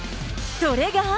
それが。